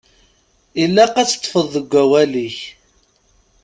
Ilaq ad teṭṭfeḍ deg wawal-ik.